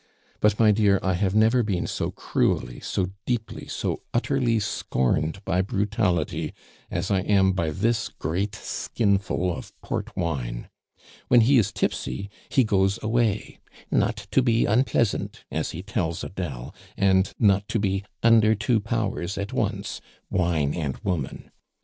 But, my dear, I have never been so cruelly, so deeply, so utterly scorned by brutality as I am by this great skinful of port wine. "When he is tipsy he goes away 'not to be unpleasant,' as he tells Adele, and not to be 'under two powers at once,' wine and woman.